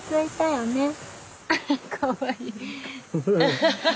かわいい。